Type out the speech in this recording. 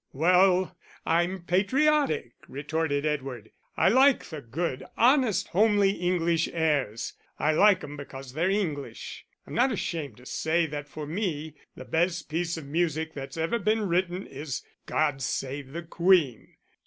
"Well, I'm patriotic," retorted Edward. "I like the good, honest, homely English airs. I like 'em because they're English. I'm not ashamed to say that for me the best piece of music that's ever been written is God Save the Queen."